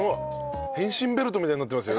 変身ベルトみたいになってますよ